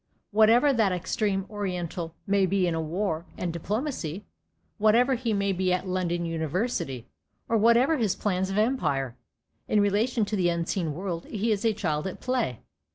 Whatever that extreme Oriental may be in war and diplomacy, whatever he may be at London University, or whatever his plans of Empire, in relation to the unseen world he is a child at play.